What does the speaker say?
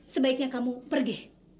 sebaiknya kamu pergi